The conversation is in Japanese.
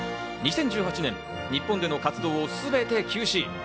２０１８年、日本での活動をすべて休止。